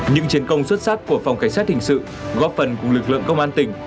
những chiến công xuất sắc của phòng cảnh sát hình sự góp phần cùng lực lượng công an tỉnh